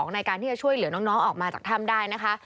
ในการที่จะช่วยเหลือน้องออกมาจากถ้ำได้นะคะ